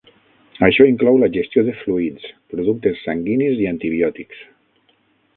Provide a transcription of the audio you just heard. Això inclou la gestió de fluids, productes sanguinis i antibiòtics.